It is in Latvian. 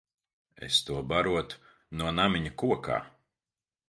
Es to barotu no namiņa kokā.